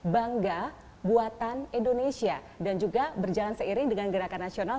bangga buatan indonesia dan juga berjalan seiring dengan gerakan nasional